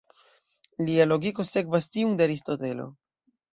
Lia logiko sekvas tiun de Aristotelo.